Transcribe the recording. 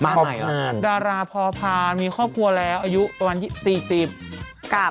ใครอ่ะดาราพอพานมีครอบครัวแล้วอายุประมาณ๔๐